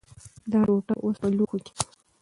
دا ټوټه اوس په لوښي کې ده.